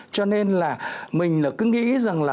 cho nên là mình cứ nghĩ rằng là